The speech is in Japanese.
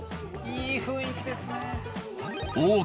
いい雰囲気ですね。